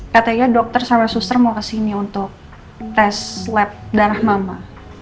katanya dokter sama suster mau kesini untuk tes swab darah mama